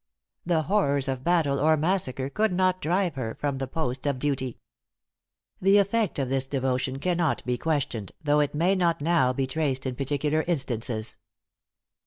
The horrors of battle or massacre could not drive her from the post of duty. The effect of this devotion cannot be questioned, though it may not now be traced in particular instances.